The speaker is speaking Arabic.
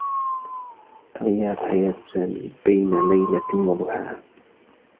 تغيّرت حياة سامي بين ليلة و ضحاها.